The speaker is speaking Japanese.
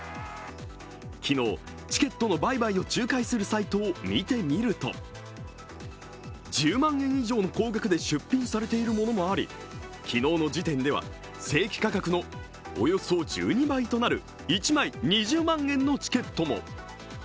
昨日、チケットの売買を仲介するサイトを見てみると１０万円以上の高額で出品されているものもあり昨日の時点では正規価格のおよそ１２倍となる１枚２０万円のチケットも。